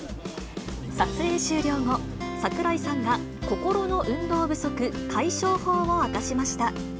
撮影終了後、櫻井さんが、心の運動不足解消法を明かしました。